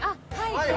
はい。